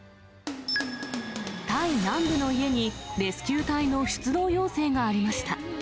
タイ南部の家に、レスキュー隊の出動要請がありました。